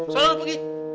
salah lo pergi